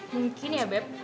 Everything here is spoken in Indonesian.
mungkin ya beb